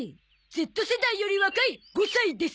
Ｚ世代より若い５歳です。